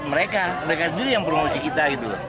mereka sendiri yang promosi kita